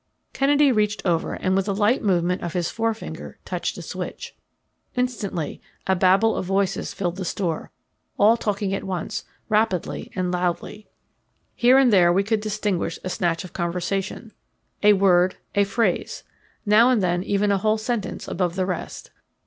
Kennedy reached over and with a light movement of his forefinger touched a switch. Instantly a babel of voices filled the store, all talking at once, rapidly and loudly. Here and there we could distinguish a snatch of conversation, a word, a phrase, now and then even a whole sentence above the rest.